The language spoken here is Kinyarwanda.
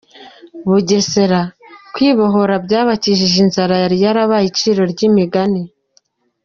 Bugesera: Kwibohora byabakijije inzara yari yarabaye iciro ry’umugani.